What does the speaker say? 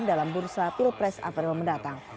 dalam bursa pilpres april mendatang